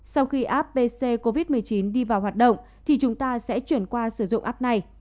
sau khi apc covid một mươi chín đi vào hoạt động thì chúng ta sẽ chuyển qua sử dụng app này